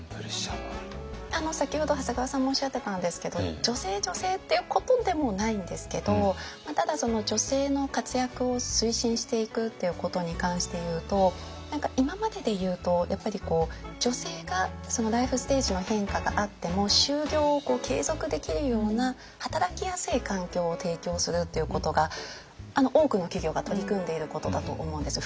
先ほど長谷川さんもおっしゃってたんですけど女性女性っていうことでもないんですけどただその女性の活躍を推進していくということに関して言うと何か今までで言うと女性がライフステージの変化があっても就業を継続できるような働きやすい環境を提供するっていうことが多くの企業が取り組んでいることだと思うんです。